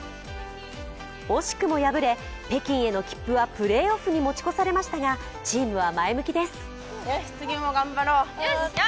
惜しくも敗れ、北京への切符はプレーオフに持ち越されましたがチームは前向きです。